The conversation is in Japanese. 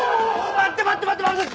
待って待って待って！